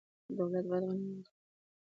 دولت باید غنم واخلي.